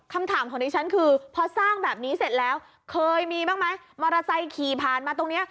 คำถามของดิฉันคือพอสร้างแบบนี้เสร็จแล้วเคยมีบ้างไหมมอเตอร์ไซค์ขี่ผ่านมาตรงเนี้ย